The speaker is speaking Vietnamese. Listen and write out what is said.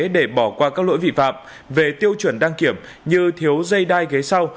để bỏ qua các lỗi vi phạm về tiêu chuẩn đăng kiểm như thiếu dây đai ghế sau